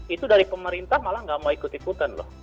itu dari pemerintah malah nggak mau ikut ikutan loh